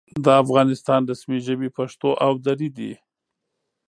د افغانستان رسمي ژبې پښتو او دري دي.